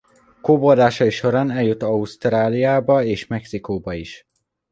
Kóborlásai során eljut Ausztráliába és Mexikóba is.